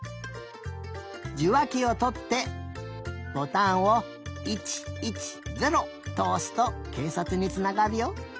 じゅわきをとってボタンを１１０とおすとけいさつにつながるよ。